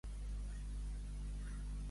Què ha esmentat Torra?